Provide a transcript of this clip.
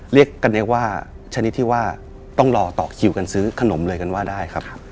เรียกกันเรียกว่าชนิดที่ว่าต้องรอต่อคิวกันซื้อขนมเลยกันว่าได้ครับ